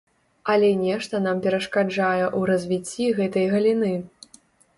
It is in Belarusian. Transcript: Але нешта нам перашкаджае ў развіцці гэтай галіны.